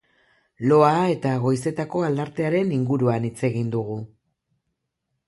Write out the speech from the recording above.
Loa eta goizetako aldartearen inguruan hitz egin dugu.